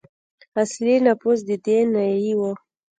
اصلي نفوس د دې نیيي وو.